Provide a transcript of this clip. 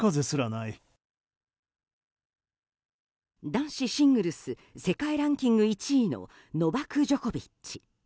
男子シングルス世界ランキング１位のノバク・ジョコビッチ。